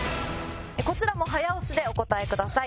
こちらも早押しでお答えください。